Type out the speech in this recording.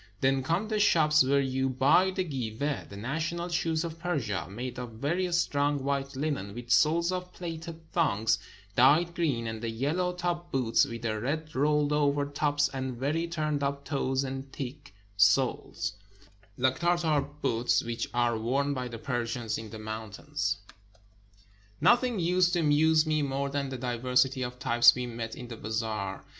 Then come the shops where you buy the giveh, the national shoes of Persia, made of very strong white linen, with soles of plaited thongs dyed green ; and the yellow top boots, wdth the red rolled over tops and very turned up toes and thick soles, like Tartar boots, which are worn by the Persians in the mountains. 421 PERSIA Nothing used to amuse me more than the diversity of types we met in the bazaar.